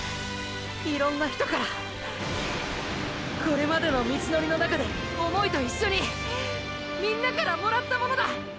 いろんな人からこれまでの道のりの中で思いと一緒にみんなからもらったものだ！！